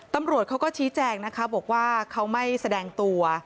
ตำรวจเขาก็ชี้แจงนะคะบอกว่าเขาไม่แสดงตัว